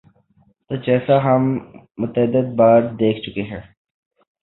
تو جیسا ہم متعدد بار دیکھ چکے ہیں۔